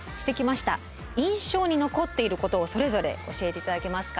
印象に残っていることをそれぞれ教えて頂けますか？